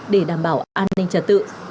để đảm bảo an ninh trật tự